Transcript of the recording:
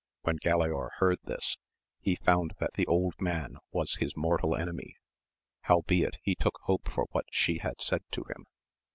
"When Galaor heard this he found that the old man was his mortal enemy, howbeit he took hope for what she had said to him.